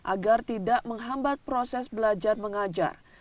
agar tidak menghambat proses belajar mengajar